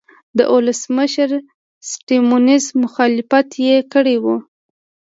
د ولسمشر سټیونز مخالفت یې کړی و.